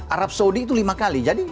arab saudi itu lima kali jadi